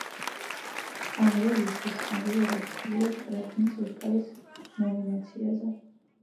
ამ როლისთვის კარიერაში პირველად წარადგინეს ოსკარის ნომინაციაზე.